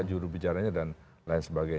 juru bicaranya dan lain sebagainya